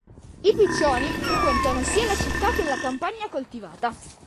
I piccioni frequentano sia la città che la campagna coltivata.